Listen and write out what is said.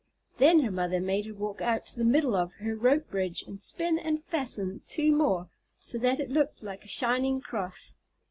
Then her mother made her walk out to the middle of her rope bridge, and spin and fasten two more, so that it looked like a shining cross.